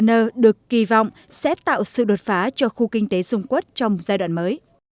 nơ được kỳ vọng sẽ tạo sự đột phá cho khu kinh tế dung quất trong giai đoạn mới